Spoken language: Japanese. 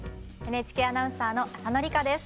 ＮＨＫアナウンサーの浅野里香です。